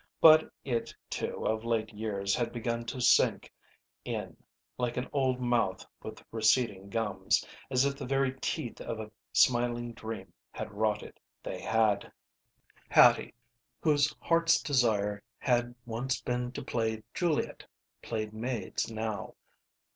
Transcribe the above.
But it, too, of late years, had begun to sink in, like an old mouth with receding gums, as if the very teeth of a smiling dream had rotted. They had. Hattie, whose heart's desire had once been to play Juliet, played maids now.